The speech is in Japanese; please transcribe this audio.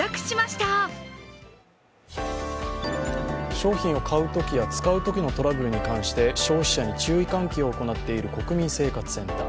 商品を買うときや使うときのトラブルに対して消費者に注意喚起を行っている国民生活センター。